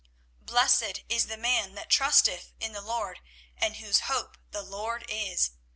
24:017:007 Blessed is the man that trusteth in the LORD, and whose hope the LORD is.